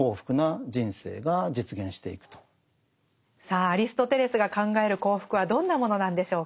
さあアリストテレスが考える幸福はどんなものなんでしょうか？